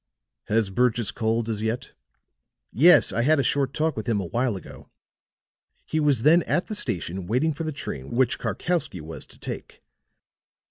Has Burgess called as yet?" "Yes, I had a short talk with him a while ago. He was then at the station waiting for the train which Karkowsky was to take.